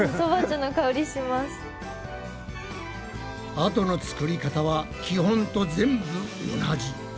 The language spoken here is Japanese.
あとの作り方は基本と全部同じ。